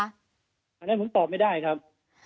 อันนั้นผมตอบไม่ได้ครับ